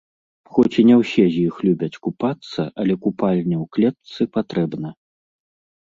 Хоць і не ўсе з іх любяць купацца, але купальня ў клетцы патрэбна.